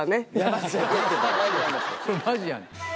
マジやねん。